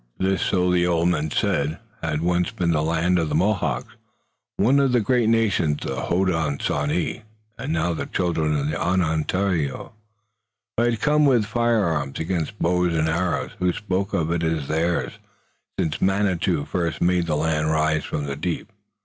This, so the old men said, had once been the land of the Mohawks, one of the great nations of the Hodenosaunee, and now the children of Onontio, who had come with firearms against bows and arrows, spoke of it as theirs since Manitou first made the land rise from the deep.